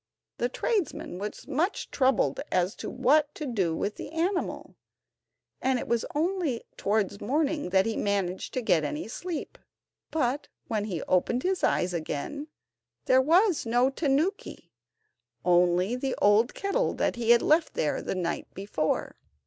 The tradesman was much troubled as to what to do with the animal, and it was only towards morning that he managed to get any sleep; but when he opened his eyes again there was no tanuki, only the old kettle he had left there the night before.